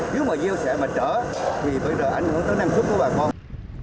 nếu mà gieo sẽ mà trở thì bây giờ ảnh hưởng tới năng suất của bà con